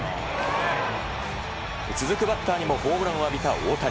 続くバッターにもホームランを浴びた大谷。